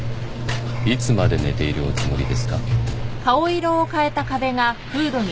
いつまで寝ているおつもりですか？